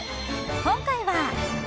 今回は。